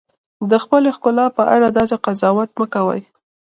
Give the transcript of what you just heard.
د خپلې ښکلا په اړه داسې قضاوت مه کوئ.